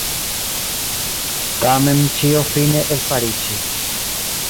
Tamen ĉio fine elfariĝis.